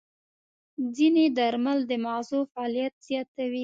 ځینې درمل د ماغزو فعالیت زیاتوي.